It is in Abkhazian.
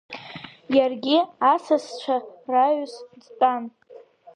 Иаргьы асасцәа рааҩс дтәан.